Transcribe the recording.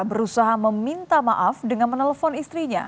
berusaha meminta maaf dengan menelpon istrinya